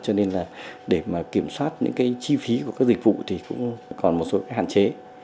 cho nên là để mà kiểm soát những cái chi phí của các dịch vụ thì cũng còn một số cái hạn chế